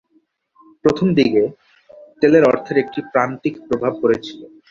প্রথমদিকে, তেলের অর্থের একটি প্রান্তিক প্রভাব পড়েছিল।